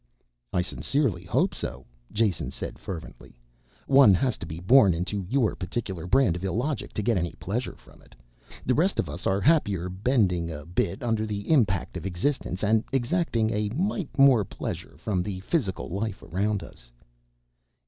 "I sincerely hope so," Jason said fervently. "One has to be born into your particular brand of illogic to get any pleasure from it. The rest of us are happier bending a bit under the impact of existence, and exacting a mite more pleasure from the physical life around us."